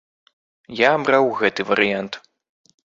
Я абраў гэты варыянт.